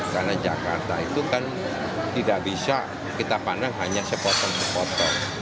karena jakarta itu kan tidak bisa kita pandang hanya sepotong sepotong